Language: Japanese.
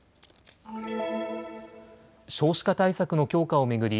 少子化対策の強化を巡り